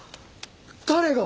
誰が。